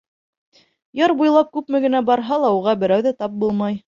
Яр буйлап күпме генә барһа ла, уға берәү ҙә тап булмай.